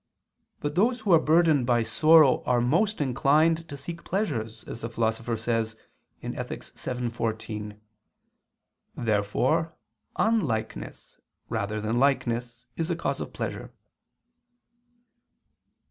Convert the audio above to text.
But those who are burdened by sorrow are most inclined to seek pleasures, as the Philosopher says (Ethic. vii, 14). Therefore unlikeness, rather than likeness, is a cause of pleasure.